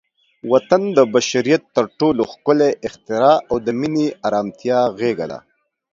وطن د بشریت تر ټولو ښکلی اختراع او د مینې، ارامتیا غېږه ده.